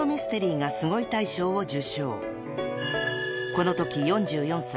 ［このとき４４歳］